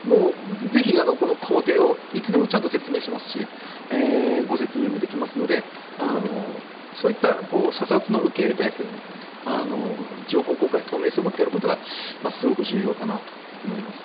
ぜひ、この工程をいつでもちゃんと説明しますしご説明もできますのでそういった査察の受け入れ態勢を情報公開透明性を持ってやることがすごく重要かなと思います。